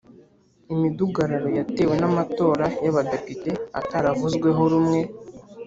sinshobora na rimwe gutera agahinda umutima wawe